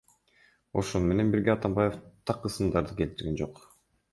Ошону менен бирге Атамбаев так ысымдарды келтирген жок.